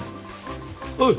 おい。